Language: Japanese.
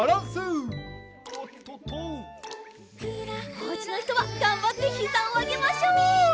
おうちのひとはがんばってひざをあげましょう！